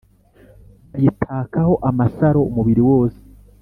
bayitakaho amasaro umubiri wose: